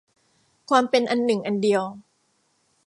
ความเป็นอันหนึ่งอันเดียว